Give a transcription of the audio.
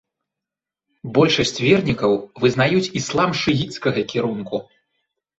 Большасць вернікаў вызнаюць іслам шыіцкага кірунку.